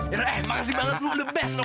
yara makasih banget lo the best